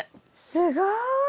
すごい！